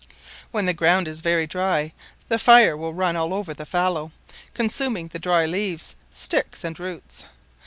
When the ground is very dry the fire will run all over the fallow, consuming the dried leaves, sticks, and roots.